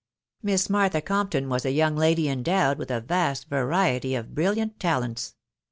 Miss Martha Compton was a young lady endowed with a vast variety of brilliant talents.